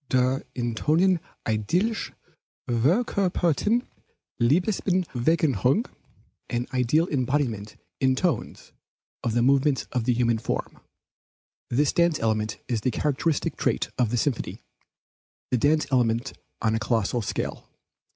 "Der in Tönen idealisch verkörperten Leibesbewegung," [an ideal embodiment in tones of the movements of the human form]. This dance element is the characteristic trait of the symphony; the dance element on a colossal scale.